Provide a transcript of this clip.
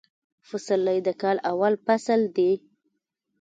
فسرلي د کال اول فصل دي